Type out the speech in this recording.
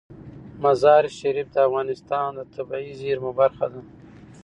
مزارشریف د افغانستان د طبیعي زیرمو برخه ده.